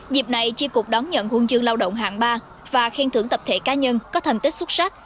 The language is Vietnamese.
dịp này chi cục đón nhận huân chương lao động hạng ba và khen thưởng tập thể cá nhân có thành tích xuất sắc